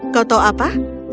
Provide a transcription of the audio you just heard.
kau tahu apa